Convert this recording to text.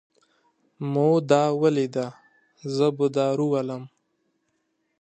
ما دا وليده. زه به دا راولم.